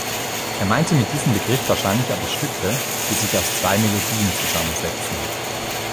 Er meinte mit diesem Begriff wahrscheinlich aber Stücke, die sich aus zwei Melodien zusammensetzen.